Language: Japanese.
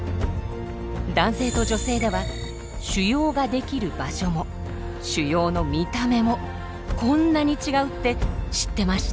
男性と女性では腫瘍が出来る場所も腫瘍の見た目もこんなに違うって知ってました？